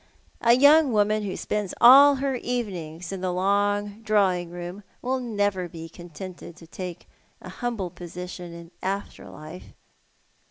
A young woman who spends all her evenings in the long drawing room will never be contented to take a humble position in after life."